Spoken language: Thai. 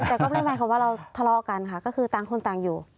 แต่ก็ไม่หมายความว่าเราทะเลาะกันค่ะก็คือต่างคนต่างอยู่